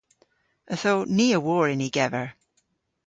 Ytho ni a wor yn y gever.